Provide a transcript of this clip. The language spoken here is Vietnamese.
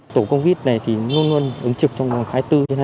tổ covid này thì luôn luôn ứng trực trong hai mươi bốn trên hai mươi bốn